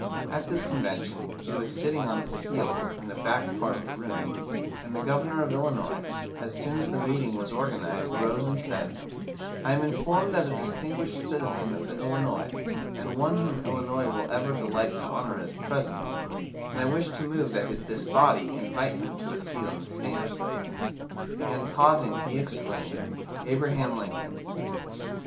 At this Convention, he was "sitting on his heels" in a back part of the room, and the Governor of Illinois, as soon as the meeting was organised, rose and said "I am informed that a distinguished citizen of Illinois, and one whom Illinois will ever delight to honour, is present, and I wish to move that this body invite him to a seat on the stand." And, pausing, he exclaimed, "Abraham Lincoln."